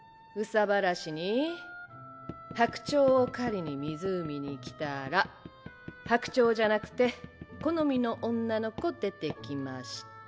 憂さ晴らしに白鳥を狩りに湖に来たら白鳥じゃなくて好みの女の子出てきました。